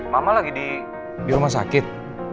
mama lagi di rumah sakit